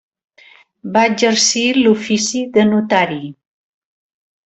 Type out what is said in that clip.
Va exercir l'ofici de notari.